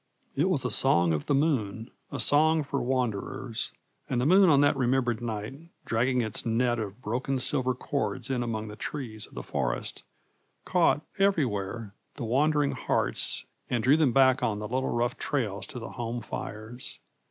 It was a song of the moon, a song for wanderers. And the moon on that remembered night, dragging its net of broken silver cords in among the trees of the forest, caught everywhere the wandering hearts and drew them back on the little rough trails to the home fires.